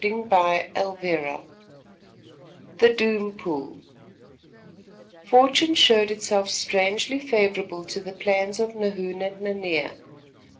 CHAPTER V THE DOOM POOL Fortune showed itself strangely favourable to the plans of Nahoon and Nanea.